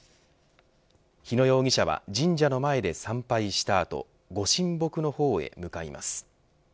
日野容疑者は神社の前で参拝したあとご神木の方へ向かいます。